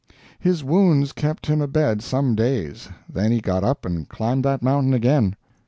His wounds kept him abed some days. Then he got up and climbed that mountain again.